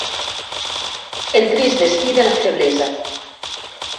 El trist destí de la feblesa.